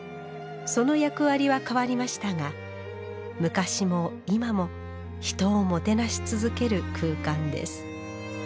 その役割は変わりましたが昔も今も人をもてなし続ける空間です